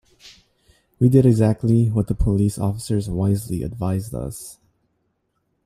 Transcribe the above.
We did exactly what the police officers wisely advised us.